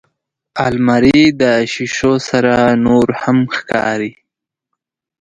الماري د شیشو سره نورهم ښکاري